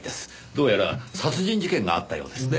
どうやら殺人事件があったようですね。